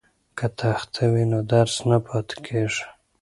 که تخته وي نو درس نه پاتې کیږي.